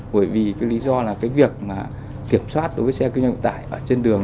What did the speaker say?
bởi vì cái lý do là cái việc kiểm soát đối với xe ô tô kinh doanh vận tải trên đường